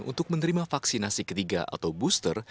untuk menerima vaksinasi ketiga atau booster